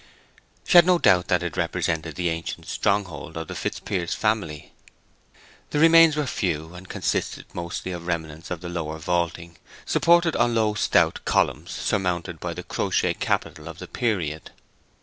She had no doubt that it represented the ancient stronghold of the Fitzpiers family. The remains were few, and consisted mostly of remnants of the lower vaulting, supported on low stout columns surmounted by the crochet capital of the period.